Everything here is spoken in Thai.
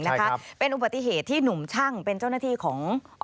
นะคะเป็นอุบัติเหตุที่หนุ่มช่างเป็นเจ้าหน้าที่ของ